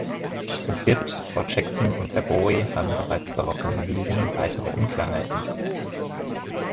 Es gibt Frau Jackson und Herr Bowe haben bereits darauf hingewiesen weitere Unklarheiten.